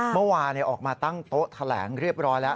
เมื่อวานออกมาตั้งโต๊ะแถลงเรียบร้อยแล้ว